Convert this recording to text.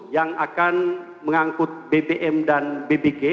yang akan mengangkut bbm dan bbg